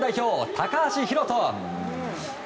高橋宏斗。